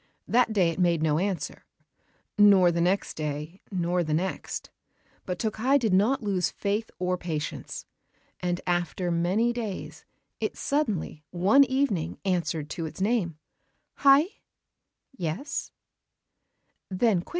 That day it made no answer, nor the next day, nor the next. But Tokkei did not lose faith or patience; and after many days it suddenly one evening answered to its name, "_Hai!